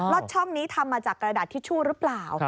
ช่องนี้ทำมาจากกระดาษทิชชู่หรือเปล่า